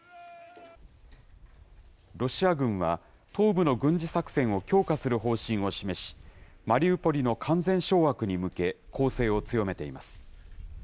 ロシア軍は、東部の軍事作戦を強化する方針を示し、マリウポリの完全掌握に向け、攻勢を強めています。